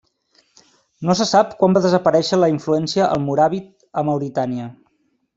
No se sap quan va desaparèixer la influència almoràvit a Mauritània.